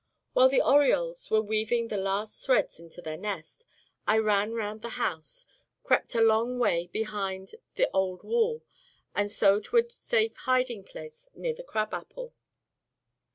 While the orioles were weaving the last threads into their nest, I ran round the house, crept a long way behind the old wall, and so to a safe hiding place near the crab apple.